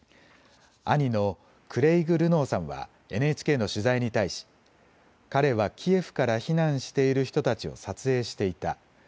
兄のクレイグ・ルノーさんはＮＨＫの取材に対し、彼はキエフから避難している人たちを撮影していた。